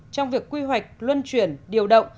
trong việc quy hoạch luân chuyển điều động